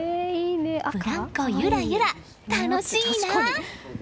ブランコゆらゆら、楽しいなあ！